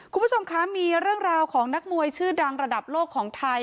คุณผู้ชมคะมีเรื่องราวของนักมวยชื่อดังระดับโลกของไทย